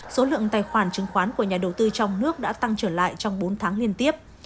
số lượng tài khoản chứng khoán của nhà đầu tư trong nước đã tăng trở lại trong bốn tháng liên tiếp